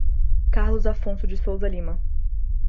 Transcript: Carlos Afonso de Souza Lima